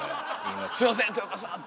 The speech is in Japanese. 「すいません豊川さん」って。